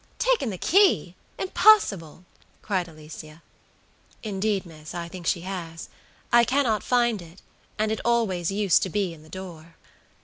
"Taken the key! Impossible!" cried Alicia. "Indeed, miss, I think she has. I cannot find it, and it always used to be in the door."